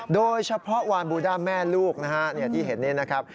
โดยเฉพาะวานบูด้าแม่ลูกนะฮะที่เห็นนี่นะครับ